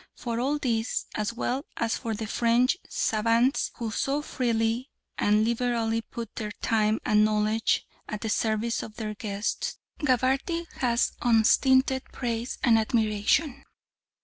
For all these, as well as for the French savants who so freely and liberally put their time and knowledge at the service of their guests, Gabarty has unstinted praise and admiration.